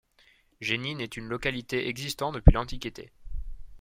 Jénine est une localité existant depuis l'antiquité.